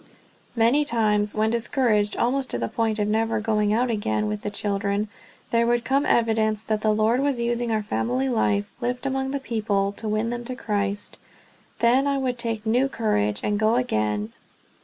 Many times, when discouraged almost to the point of never going out again with the children, there would come evidence that the Lord was using our family life, lived among the people, to win them to Christ. Then I would take new courage, and go again.